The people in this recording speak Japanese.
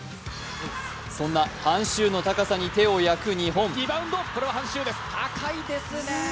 そんな韓旭の高さに手を焼く日本。